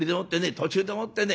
途中でもってね